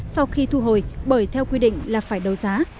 sau khi thu hồi bởi theo quy định là phải đấu giá